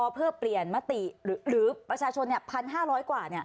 เพื่อเปลี่ยนมติหรือประชาชน๑๕๐๐กว่า